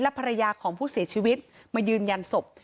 ภรรยาของผู้เสียชีวิตมายืนยันศพ